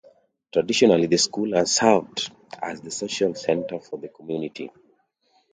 Traditionally, the school has served as the social center for the community.